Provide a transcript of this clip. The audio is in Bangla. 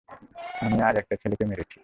আমি আজ একটা ছেলেকে মেরেছি।